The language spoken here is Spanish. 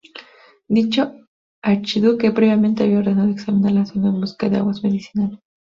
Dicho archiduque previamente había ordenado examinar la zona en busca de aguas medicinales.